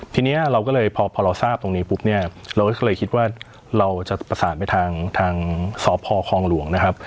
ทีนี้เราก็เลยพอเราทราบตรงนี้ปุ๊บเนี่ยเราก็เลยคิดว่าเราจะประสานไปทางสพคลองหลวงนะครับ